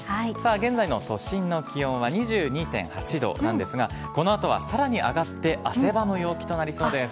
現在の都心の気温は２２．８度なんですが、このあとはさらに上がって、汗ばむ陽気となりそうです。